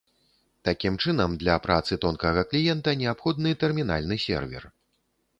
Такім чынам, для працы тонкага кліента неабходны тэрмінальны сервер.